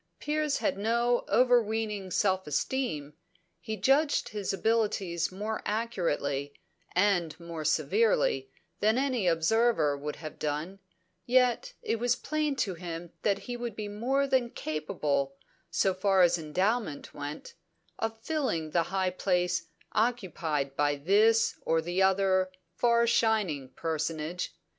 Piers had no overweening self esteem; he judged his abilities more accurately, and more severely, than any observer would have done; yet it was plain to him that he would be more than capable, so far as endowment went, of filling the high place occupied by this or the other far shining personage.